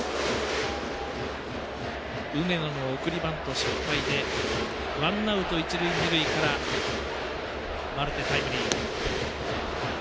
梅野の送りバント失敗でワンアウト、一塁二塁からマルテのタイムリー。